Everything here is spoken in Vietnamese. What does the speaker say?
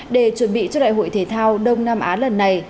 để chuẩn bị cho đại hội thể thao đông nam á lần này